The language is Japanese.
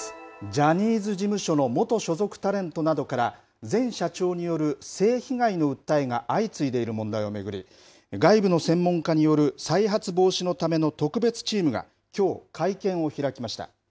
ジャニーズ事務所の元所属タレントなどから、前社長による性被害の訴えが相次いでいる問題を巡り、外部の専門家による再発防止のための特別チームがきょう、会見を開きました。